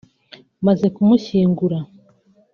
Maze kumushyingura